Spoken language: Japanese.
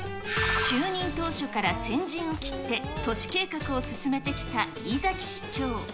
就任当初から先陣を切って都市計画を進めてきた井崎市長。